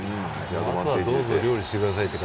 あとはどうぞ料理してくださいと。